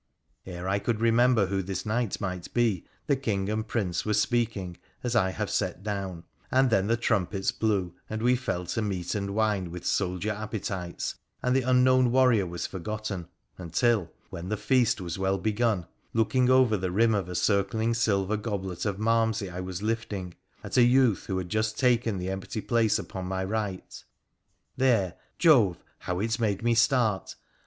Ere I could remember who this knight might be, the King and Prince were speaking as I have set down, and then the trumpets blew and we fell to meat and wine with soldier appetites, and the unknown warrior was forgotten, until —• when the feast was well begun, looking over the rim cf a circling silver goblet of malmsey I was lifting, at a youth who had just taken the empty place upon my right — there— Jove I how it made me start